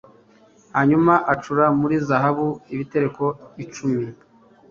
hanyuma acura muri zahabu ibitereko icumi